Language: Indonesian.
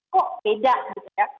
kok beda gitu ya